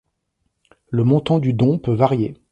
Le montant du don peut varier.